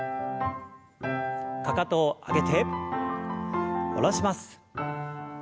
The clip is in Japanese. かかとを上げて下ろします。